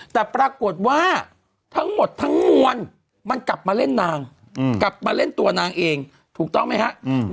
แต่ปรากฏว่าทั้งหมดทั้งมวลมันกลับมาเล่นนางกลับมาเล่นตัวนางเองถูกต้องไหมฮะ